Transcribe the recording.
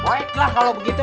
baiklah kalo begitu